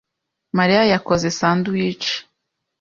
Mariya yakoze sandwiches .